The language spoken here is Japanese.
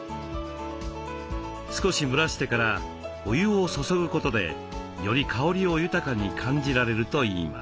少し蒸らしてからお湯を注ぐことでより香りを豊かに感じられるといいます。